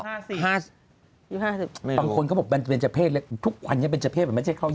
๕๐ไม่รู้บางคนเขาบอกว่าเบรจเภสทุกวันนี้เบรจเภสมันไม่ใช่เข้า๒๕